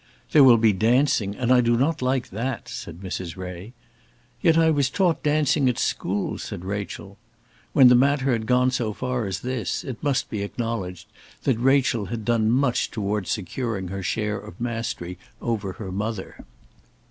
"There will be dancing, and I do not like that," said Mrs. Ray. "Yet I was taught dancing at school," said Rachel. When the matter had gone so far as this it must be acknowledged that Rachel had done much towards securing her share of mastery over her mother.